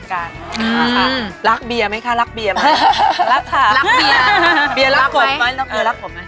ลายได้ให้เราหรอ